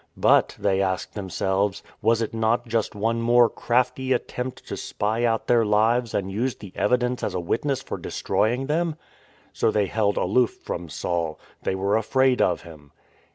But (th^y asked themselves) was it not just one more crafty attempt to spy out their lives and use the evi dence as a witness for destroying them ? So they held aloof from Saul; they were afraid of him.